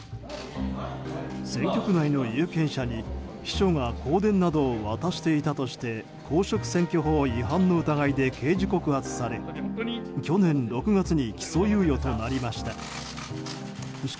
選挙区内の有権者に秘書が香典などを渡していたとして公職選挙法違反の疑いで刑事告訴され去年６月に起訴猶予となりました。